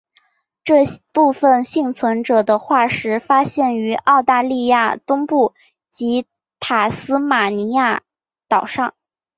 这部分幸存者的化石发现于澳大利亚东部及塔斯马尼亚岛上。